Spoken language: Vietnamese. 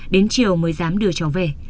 đến chiều mới dám đưa cháu về